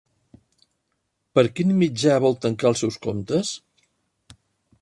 Per quin mitjà vol tancar els seus comptes?